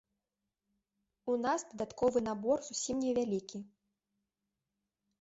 У нас дадатковы набор зусім невялікі.